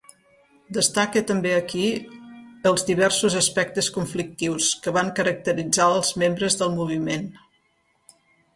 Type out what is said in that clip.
Destaca també aquí els diversos aspectes conflictius que van caracteritzar als membres del moviment.